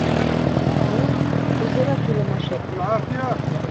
— Ну, кузерак илымашет?